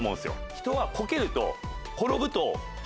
人はこけると。